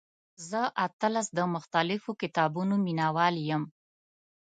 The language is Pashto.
زه اتلس د مختلفو کتابونو مینوال یم.